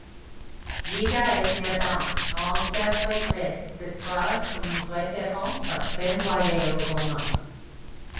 Yigaël Yadin a interprété cette phrase comme une référence à peine voilée aux Romains.